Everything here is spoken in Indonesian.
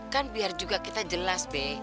kan biar juga kita jelas deh